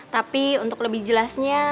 tapi untuk lebih jelasnya